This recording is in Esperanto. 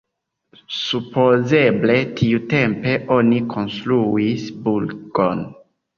Supozeble tiutempe oni konstruis burgon.